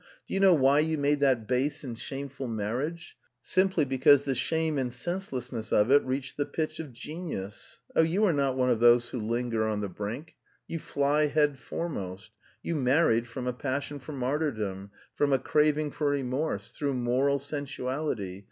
"Do you know why you made that base and shameful marriage? Simply because the shame and senselessness of it reached the pitch of genius! Oh, you are not one of those who linger on the brink. You fly head foremost. You married from a passion for martyrdom, from a craving for remorse, through moral sensuality.